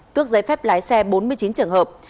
tước giấy phép lái xe bốn mươi chín trường hợp